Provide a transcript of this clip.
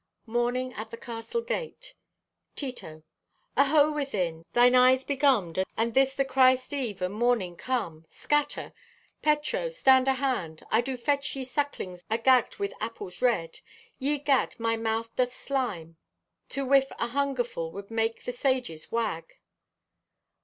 (Morning at the Castle Gate.) (Tito) "Aho, within! Thine eyes begummed and this the Christ eve and mornin' come? Scatter! Petro, stand ahand! I do fetch ye sucklings agagged with apples red. Ye gad, my mouth doth slime! To whiff a hungerfull would make the sages wag."